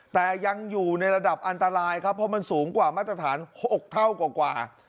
แต่ยังอยู่ในระดับอันตรายครับเพราะมันสูงกว่ามาตรฐาน๖เท่ากว่า